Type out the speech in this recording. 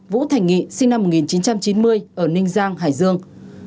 vũ thành nghị sinh năm một nghìn chín trăm chín mươi ở ninh giang hải dương